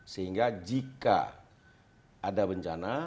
sehingga jika ada bencana